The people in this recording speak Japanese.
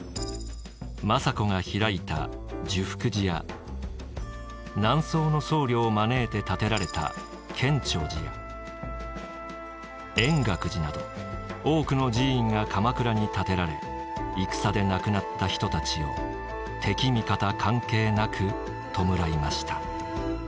政子が開いた寿福寺や南宋の僧侶を招いて建てられた建長寺や円覚寺など多くの寺院が鎌倉に建てられ戦で亡くなった人たちを敵味方関係なく弔いました。